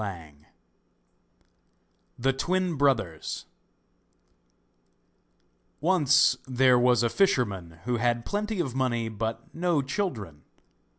] The Twin Brothers Once there was a fisherman who had plenty of money but no children.